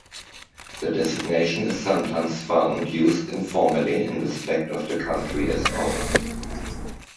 The designation is sometimes found used informally in respect of the county as whole.